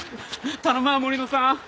頼むわ森野さん！